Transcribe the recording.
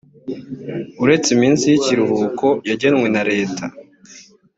uretse iminsi y ikiruhuko yagenwe na leta